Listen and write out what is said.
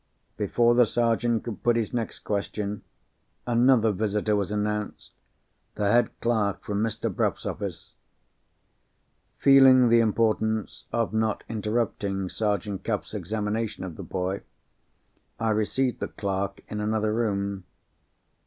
Before the Sergeant could put his next question, another visitor was announced—the head clerk from Mr. Bruff's office. Feeling the importance of not interrupting Sergeant Cuff's examination of the boy, I received the clerk in another room.